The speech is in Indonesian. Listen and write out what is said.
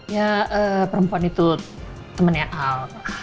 ya perempuan itu temannya al